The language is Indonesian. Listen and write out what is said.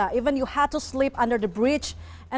bahkan anda harus tidur di bawah jembatan